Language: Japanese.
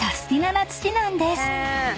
な土なんです］